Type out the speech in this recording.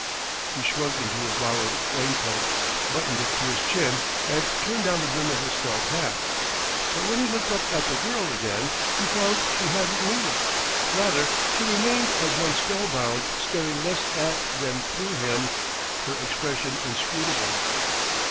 He shrugged into his borrowed raincoat, buttoned it to his chin, and turned down the brim of his felt hat; but when he looked up at the girl again, he found she hadn't moved; rather, she remained as one spellbound, staring less at than through him, her expression inscrutable.